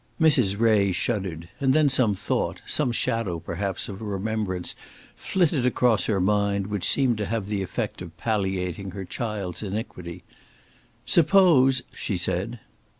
Mrs. Ray shuddered; and then some thought, some shadow perhaps of a remembrance, flitted across her mind, which seemed to have the effect of palliating her child's iniquity. "Suppose " she said.